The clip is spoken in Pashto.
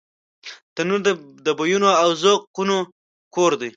تنور د بویونو او ذوقونو کور دی